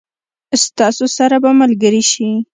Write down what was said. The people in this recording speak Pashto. ستاسو سره به ملګري شي.